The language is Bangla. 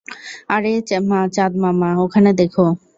আরে মা চাঁদ মামা, ওখানে দেখো।